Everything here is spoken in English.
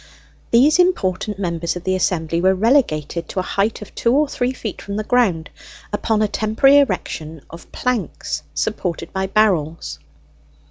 These important members of the assembly were relegated to a height of two or three feet from the ground, upon a temporary erection of planks supported by barrels.